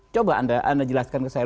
coba anda jelaskan ke saya